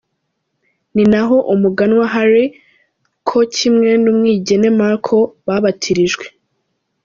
Ni naho umuganwa Harry, co kimwe n'umwigeme Markle babatirijwe.